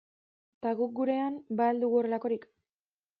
Eta guk gurean ba al dugu horrelakorik?